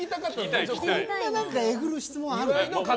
こんなえぐる質問ある？